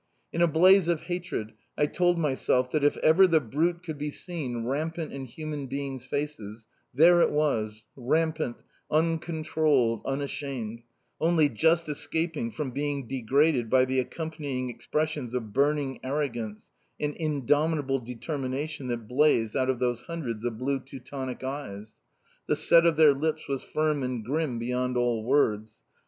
In a blaze of hatred, I told myself that if ever the brute could be seen rampant in human beings' faces there it was, rampant, uncontrolled, unashamed, only just escaping from being degraded by the accompanying expressions of burning arrogance, and indomitable determination that blazed out of those hundreds of blue Teutonic eyes. The set of their lips was firm and grim beyond all words.